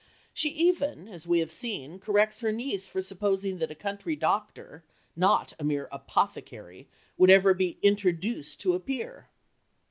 She even, as we have seen, corrects her niece for supposing that a country doctor not a mere "apothecary" would ever be "introduced" to a peer!